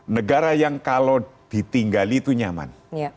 negara yang kalau ditinggali itu nyaman